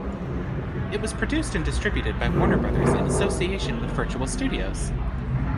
It was produced and distributed by Warner Brothers in association with Virtual Studios.